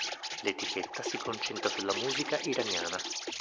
L'etichetta si concentra sulla musica iraniana.